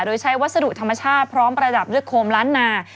โดยใช้วัสดุธรรมชาติพร้อมประดับด้วยโคมล้านนา